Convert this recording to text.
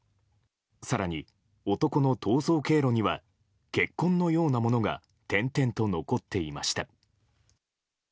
更に、男の逃走経路には血痕のようなものが点々と残っていました。